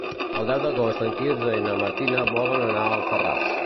El deu d'agost en Quirze i na Martina volen anar a Alfarràs.